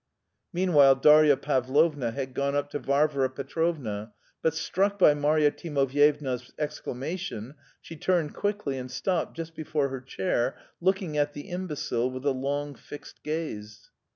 Meanwhile Darya Pavlovna had gone up to Varvara Petrovna, but struck by Marya Timofyevna's exclamation she turned quickly and stopped just before her chair, looking at the imbecile with a long fixed gaze.